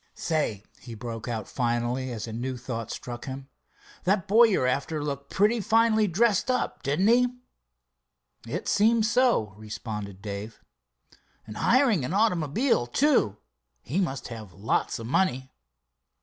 "Say," he broke out finally, as a new thought struck him, "that boy you're after looked pretty finely dressed up, didn't he?" "It seems so," responded Dave. "And hiring an automobile, too. He must have lots of money."